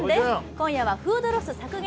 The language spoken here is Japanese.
今夜はフードロス削減